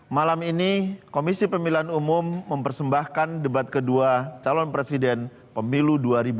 malam ini komisi pemilihan umum mempersembahkan debat kedua calon presiden pemilu dua ribu dua puluh